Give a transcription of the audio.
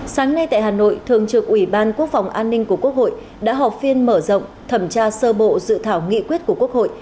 sáng nay tại hà nội thường trực ủy ban quốc phòng an ninh của quốc hội đã họp phiên mở rộng thẩm tra sơ bộ dự thảo nghị quyết của quốc hội